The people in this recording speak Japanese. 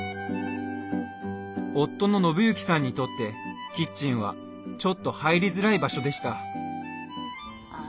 夫の信之さんにとってキッチンはちょっと入りづらい場所でした。